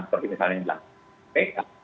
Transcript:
seperti misalnya yang dilakukan